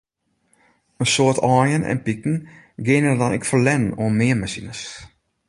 In soad aaien en piken geane dan ek ferlern oan meanmasines.